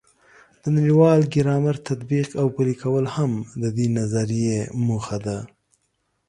د نړیوال ګرامر تطبیق او پلي کول هم د دې نظریې موخه ده.